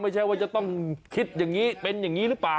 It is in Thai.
ไม่ใช่ว่าจะต้องคิดอย่างนี้เป็นอย่างนี้หรือเปล่า